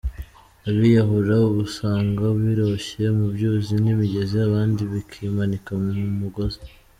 Abiyahura ubasanga biroshye mu byuzi n’imigezi abandi bakimanika mu mugozi.